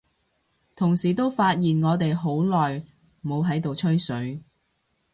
同時都發現我哋好耐冇喺度吹水，